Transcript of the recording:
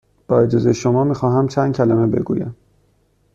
با اجازه شما، می خواهم چند کلمه بگویم.